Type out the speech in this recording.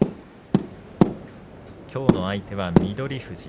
きょうの相手は翠富士。